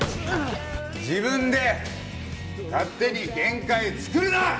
自分で勝手に限界作るな！